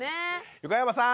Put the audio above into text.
横山さん。